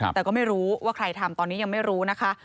แต่ก็ไม่รู้ว่าใครทำตอนนี้ยังไม่รู้นะคะ